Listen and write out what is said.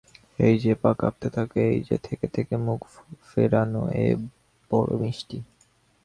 এই-যে পা কাঁপতে থাকা, এই-যে থেকে-থেকে মুখ ফেরানো, এ বড়ো মিষ্টি!